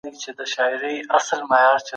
د علم ټولنیز پوهاوی د بشري پرمختګ لامل دی.